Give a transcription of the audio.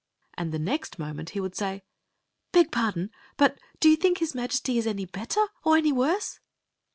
" And the next moment he would say: " Beg pardon, but do you think his Majesty is any better or any worse